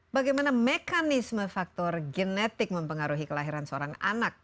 bagaimana mekanisme faktor genetik mempengaruhi kelahiran seorang anak